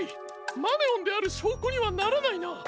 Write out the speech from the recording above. マネオンであるしょうこにはならないな。